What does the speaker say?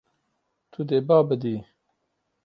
Tu dê ba bidî.